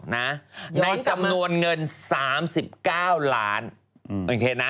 ในจำนวนเงิน๓๙ล้าน